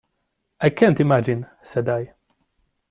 "I can't imagine," said I.